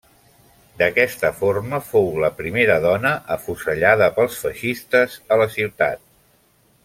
D'aquesta forma fou la primera dona afusellada pels feixistes a la ciutat.